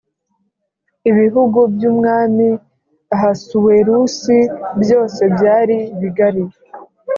Ibihugu by’ umwami Ahasuwerusi byose byari bigali